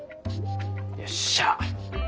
よっしゃ。